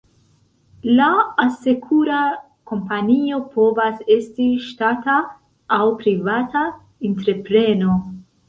La asekura kompanio povas esti ŝtata aŭ privata entrepreno.